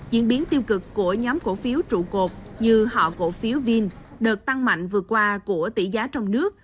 diễn biến tiêu cực của nhóm cổ phiếu trụ cột như họ cổ phiếu vin đợt tăng mạnh vừa qua của tỷ giá trong nước